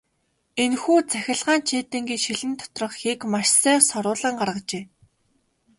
Энэхүү цахилгаан чийдэнгийн шилэн доторх хийг маш сайн соруулан гаргажээ.